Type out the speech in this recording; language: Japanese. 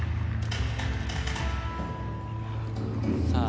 さあ